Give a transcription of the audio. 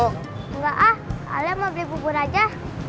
enggak ah kalian mau beli bubur aja